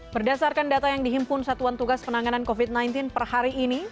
berdasarkan data yang dihimpun satuan tugas penanganan covid sembilan belas per hari ini